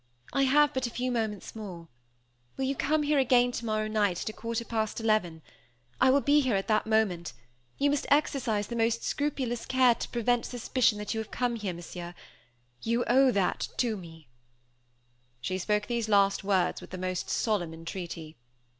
I have but a few moments more. Will you come here again tomorrow night, at a quarter past eleven? I will be here at that moment; you must exercise the most scrupulous care to prevent suspicion that you have come here, Monsieur. You owe that to me." She spoke these last words with the most solemn entreaty.